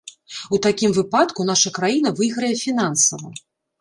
У такім выпадку наша краіна выйграе фінансава.